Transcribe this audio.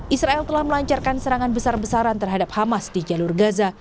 israel telah melancarkan serangan besar besaran terhadap hamas di jalur gaza